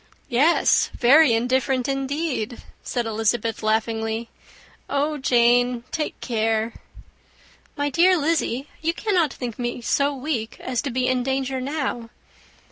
"Yes, very indifferent, indeed," said Elizabeth, laughingly. "Oh, Jane! take care." "My dear Lizzy, you cannot think me so weak as to be in danger now."